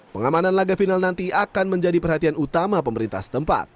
pengamanan laga final nanti akan menjadi perhatian utama pemerintah setempat